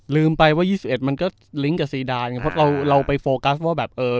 ลืมไปว่ายี่สิบเอ็ดมันก็ลิงก์กับซีดานไงเพราะเราเราไปโฟกัสว่าแบบเออ